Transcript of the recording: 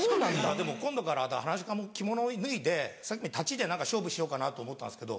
でも今度からはなし家も着物を脱いで立ちで勝負しようかなと思ったんですけど。